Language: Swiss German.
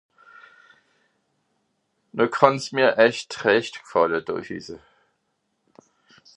No kànn's mìr erscht rächt gfàlle do hüsse